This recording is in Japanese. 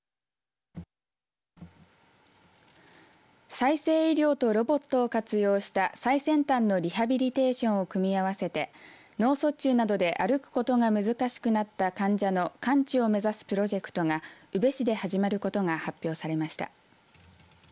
再生医療とロボットを活用した最先端のリハビリテーションを組み合わせて脳卒中などで歩くことが難しくなった患者の完治を目指すプロジェクトが宇部市で始まることが発表されました。